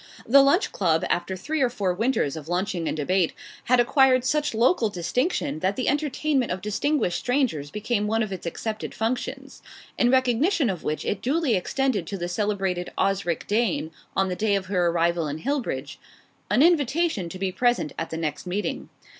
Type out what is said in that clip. The Lunch Club, after three or four winters of lunching and debate, had acquired such local distinction that the entertainment of distinguished strangers became one of its accepted functions; in recognition of which it duly extended to the celebrated "Osric Dane," on the day of her arrival in Hillbridge, an invitation to be present at the next meeting.